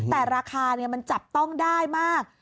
แต่ราคามันจับต้องได้มาก